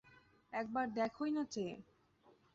একবার দেখোই না চেয়ে।